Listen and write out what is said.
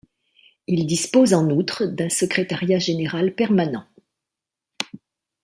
Il dispose en outre d'un secrétariat général permanent.